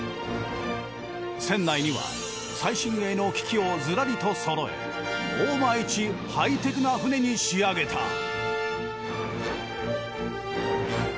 船内には最新鋭の機器をずらりと揃え大間一ハイテクな船に仕上げた。